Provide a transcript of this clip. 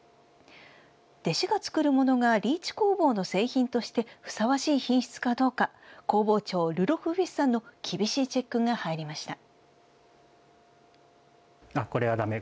弟子が作るものがリーチ工房の製品としてふさわしい品質かどうか工房長ルロフ・ウィスさんの厳しいチェックが入りました。